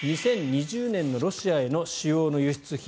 ２０２０年のロシアへの主要な輸出品。